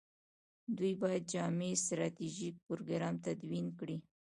دوی باید جامع ستراتیژیک پروګرام تدوین کړي.